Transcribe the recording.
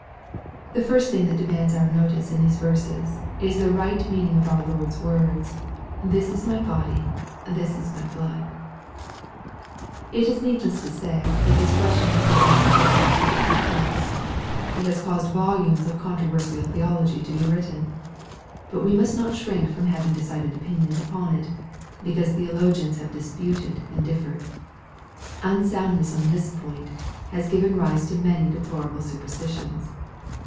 The first thing that demands our notice in these verses, is the right meaning of our Lord^s wordsj " this is my body, this is my blood/' It is needless to say, that this question has divided the visible church of Christ. It has caused volumes of controversial theology to be written. But we must not shrink from having decided opinions upon it, because theologians have disputed and differed. Unsoundness on this point has given rise to many deplorable superstitions.